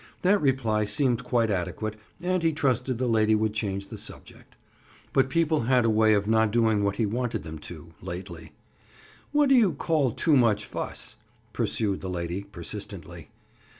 That reply seemed quite adequate and he trusted the lady would change the subject. But people had a way of not doing what he wanted them to, lately. "What do you call 'too much fuss'?" pursued the lady persistently.